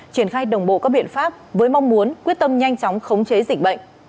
triển khai đồng bộ các biện pháp với mong muốn quyết tâm nhanh chóng khống chế dịch bệnh